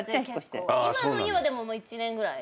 今の家はでも１年ぐらい。